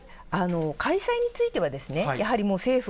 開催については、やはり政府